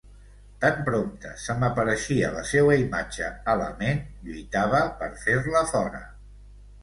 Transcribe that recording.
Tan prompte se m'apareixia la seua imatge a la ment, lluitava per fer-la fora.